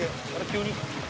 急に」